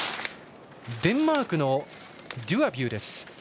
デンマークのドュアビューです。